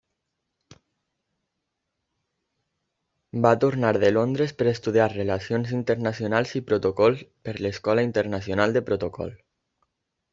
Va tornar de Londres per estudiar Relacions Internacionals i Protocol per l'Escola Internacional de Protocol.